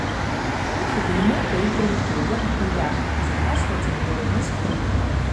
Калошы былі мокрыя і пруткія, як бляха, і закасваць іх было няспрытна.